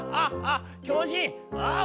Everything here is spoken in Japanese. ああ